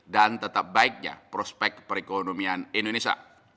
dan tetap baiknya prospek perekonomian indonesia